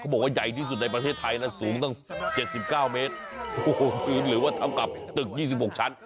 บอกว่าใหญ่ที่สุดในประเทศไทยนะสูงตั้ง๗๙เมตรหรือว่าเท่ากับตึก๒๖ชั้น